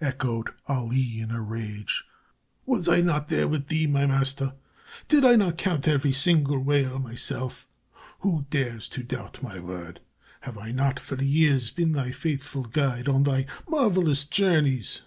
echoed Ali, in a rage. "Was I not there with thee, my master? Did I not count every single whale myself? Who dares to doubt my word? Have I not, for years, been thy faithful guide on thy marvelous journeys?